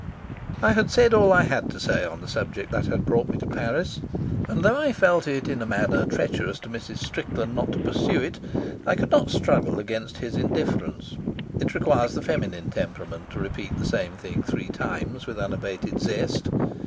I had said all I had to say on the subject that had brought me to Paris, and though I felt it in a manner treacherous to Mrs. Strickland not to pursue it, I could not struggle against his indifference. It requires the feminine temperament to repeat the same thing three times with unabated zest.